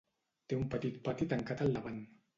Té un petit pati tancat al davant.